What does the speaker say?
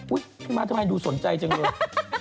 อุ๊ยพี่มาธรรมัยดูสนใจจังเลย